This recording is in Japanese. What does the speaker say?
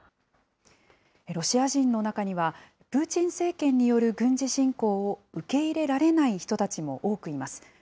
ロシア人の中には、プーチン政権による軍事侵攻を受け入れられない人たちも多くいます。